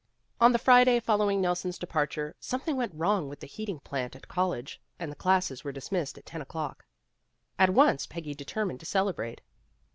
On the Friday following Nelson's departure something went wrong with the heating plant at college, and the classes were dismissed at ten o'clock. At once Peggy determined to celebrate.